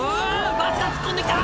バスが突っ込んできた！